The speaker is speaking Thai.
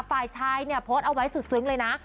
ฝ่ายชายเนี่ยโพสต์เอาไว้สุดซึ้งเลยนะ